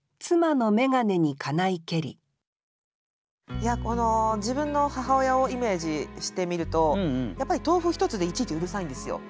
いやこの自分の母親をイメージしてみるとやっぱり豆腐一つでいちいちうるさいんですよ。